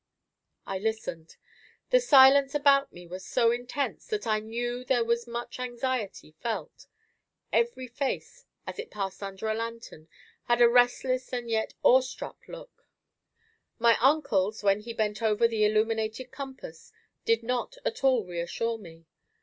I listened. The silence about me was so intense that I knew there was much anxiety felt; every face as it passed under a lantern had a restless and yet awestruck look; my uncle's, when he bent over the illuminated compass, did not at all reassure me.